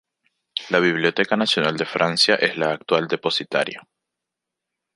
La Biblioteca Nacional de Francia es la actual depositaria.